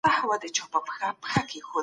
عملي ټولنپوهنه د ستونزو د حل لپاره ده.